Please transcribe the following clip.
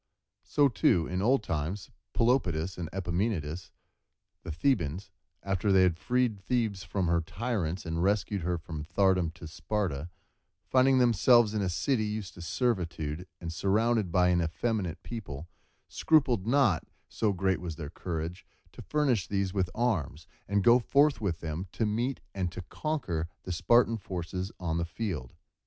So too, in old times, Pelopidas and Epaminondas the Thebans, after they had freed Thebes from her tyrants, and rescued her from thraldom to Sparta, finding themselves in a city used to servitude and surrounded by an effeminate people, scrupled not, so great was their courage, to furnish these with arms, and go forth with them to meet and to conquer the Spartan forces on the field.